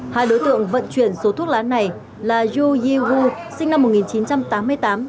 hai đối tượng vận chuyển số thuốc lá này là you jeu sinh năm một nghìn chín trăm tám mươi tám